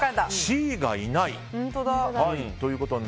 Ｃがいない。